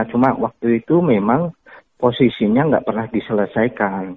cuma waktu itu memang posisinya nggak pernah diselesaikan